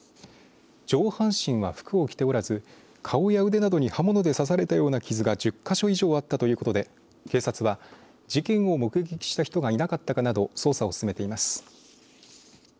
上半身は服を着ておらず顔や腕などに刃物で刺されたような傷が１０か所以上あったということで警察は事件を目撃した人がいなかったなど捜査を進めています。